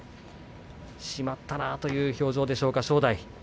しまったなという表情でしょうか正代。